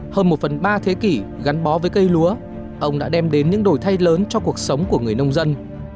hơn một phần ba thế kỷ gắn bó với cây lúa ông đã đem đến những đổi thay lớn cho cuộc sống của người nông dân